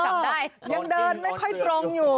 ยังเดินไม่ค่อยตรงอยู่